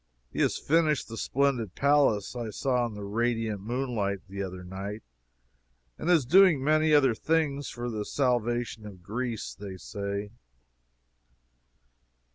He has finished the splendid palace I saw in the radiant moonlight the other night, and is doing many other things for the salvation of Greece, they say.